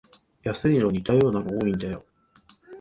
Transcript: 安いのは似たようなの多いんだよ